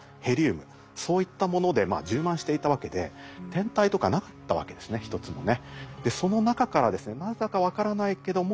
天体とかなかったわけですね一つもね。